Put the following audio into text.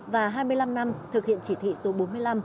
và hai mươi năm năm thực hiện chỉ thị số bốn mươi năm